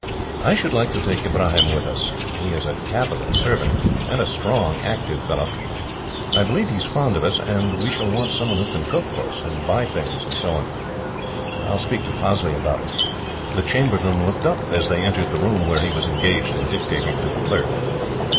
"I should like to take Ibrahim with us. He is a capital servant, and a strong, active fellow. I believe he is fond of us, and we shall want someone who can cook for us, and buy things, and so on. I will speak to Fazli about it." The chamberlain looked up, as they entered the room where he was engaged in dictating to a clerk.